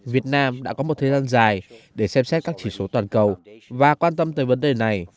việt nam đã có một thời gian dài để xem xét các chỉ số toàn cầu và quan tâm tới vấn đề này